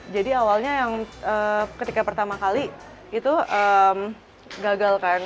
jadi awalnya yang ketika pertama kali itu gagal kan